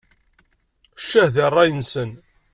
Ccah di ṛṛay-nsen!